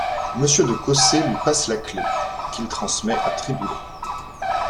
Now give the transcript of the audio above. Monsieur de Cossé lui passe la clef, qu’il transmet à Triboulet.